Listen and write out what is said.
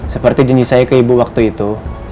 seperti jenis saya ke ibu waktu itu